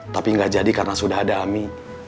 tapi nggak jadi karena sudah ada ami